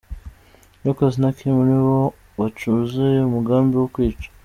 Lucas na Kim nibo bacuze umugambi wo kwica.